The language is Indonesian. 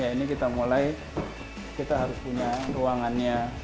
ya ini kita mulai kita harus punya ruangannya